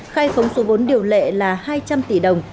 khai khống số vốn điều lệ là hai trăm linh tỷ đồng